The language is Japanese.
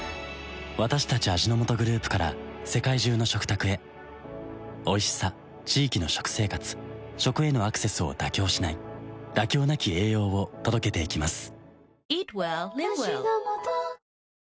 私たち味の素グループから世界中の食卓へおいしさ地域の食生活食へのアクセスを妥協しない「妥協なき栄養」を届けていきます